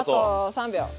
３秒。